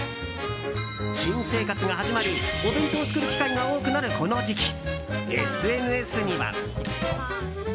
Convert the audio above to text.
新生活が始まりお弁当を作る機会が多くなるこの時期、ＳＮＳには。